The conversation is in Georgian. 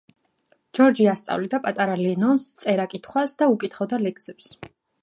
ჯორჯი ასწავლიდა პატარა ლენონს წერა-კითხვას და უკითხავდა ლექსებს.